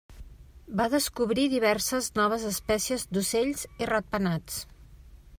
Va descobrir diverses noves espècies d'ocells i ratpenats.